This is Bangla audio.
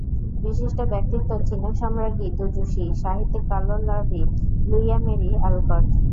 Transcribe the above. বিশিষ্ট ব্যক্তিত্ব চীনা সাম্রাজ্ঞী তুজুশি, সাহিত্যিক কার্লো ল্যাভি, লুইসা মেরি অ্যালকট।